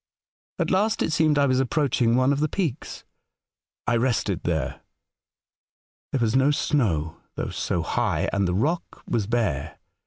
'^ At last it seemed I was approaching one of the peaks. I rested there. There was no snow, though so high, and the rock was bare.